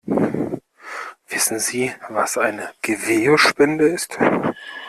Wissen Sie, was eine Gewebespende ist?